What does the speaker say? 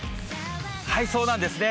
そうなんですね。